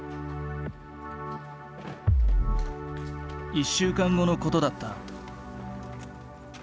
１週間後のことだった。